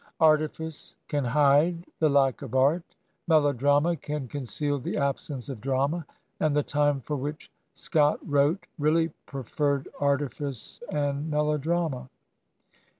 Artifice can hide the lack of art, melodrama can conceal the absence of drama ; and the time for which Scott wrote really preferred artifice and melodrama.